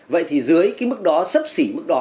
vậy thì dưới cái mức đó sấp xỉ mức đó